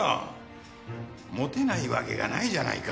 モテないわけがないじゃないか。